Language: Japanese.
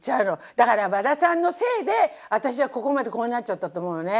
だから和田さんのせいで私はここまでこうなっちゃったと思うのね。